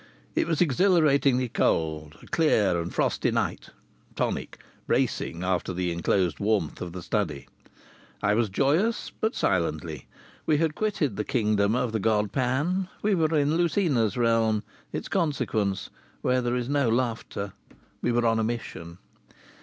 It was exhilaratingly cold, a clear and frosty night, tonic, bracing after the enclosed warmth of the study. I was joyous, but silently. We had quitted the kingdom of the god Pan; we were in Lucina's realm, its consequence, where there is no laughter. We were on a mission.